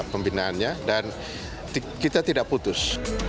pembinaannya dan kita tidak putus